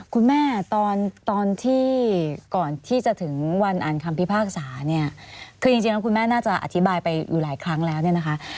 คุณแม่ตอนที่ก่อนที่จะถึงวันอ่านคำพิพากษาเนี่ยคือจริงแล้วคุณแม่น่าจะอธิบายไปอยู่หลายครั้งแล้วเนี่ยนะคะ